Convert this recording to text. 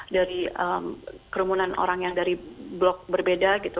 dari kerumunan orang yang dari blok berbeda gitu